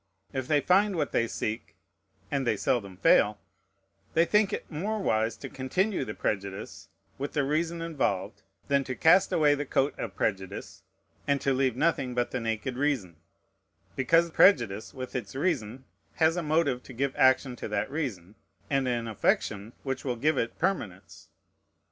If they find what they seek, (and they seldom fail,) they think it more wise to continue the prejudice, with the reason involved, than to cast away the coat of prejudice, and to leave nothing but the naked reason; because prejudice, with its reason, has a motive to give action to that reason, and an affection which will give it permanence.